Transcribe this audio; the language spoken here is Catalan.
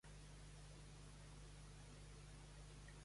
Per obtenir-ne informació detallada, consulta Hayakaken.